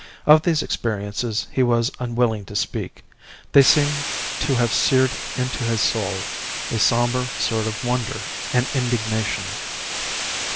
Of these experiences he was unwilling to speak: they seemed to have seared into his soul a sombre sort of wonder and indignation.